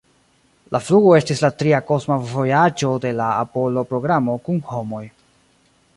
La flugo estis la tria kosma vojaĝo de la Apollo-programo kun homoj.